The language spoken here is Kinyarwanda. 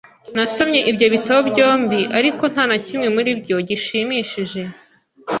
Nasomye ibyo bitabo byombi, ariko nta na kimwe muri byo gishimishije.